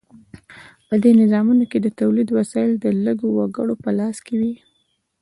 په دې نظامونو کې د تولید وسایل د لږو وګړو په لاس کې وي.